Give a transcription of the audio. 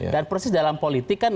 dan persis dalam politik kan